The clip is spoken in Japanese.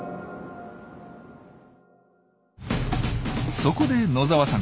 そこで野澤さん